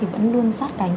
vẫn luôn sát cánh